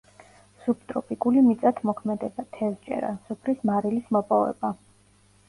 სუბტროპიკული მიწათმოქმედება, თევზჭერა, სუფრის მარილის მოპოვება.